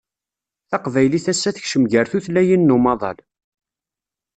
Taqbaylit ass-a tekcem gar tutlayin n umaḍal